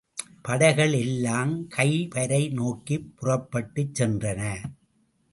படைகள் எல்லாம் கைபரை நோக்கிப் புறப்பட்டுச் சென்றன.